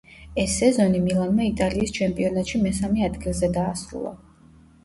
ეს სეზონი „მილანმა“ იტალიის ჩემპიონატში მესამე ადგილზე დაასრულა.